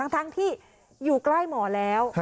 ทั้งที่อยู่ใกล้หมอแล้ว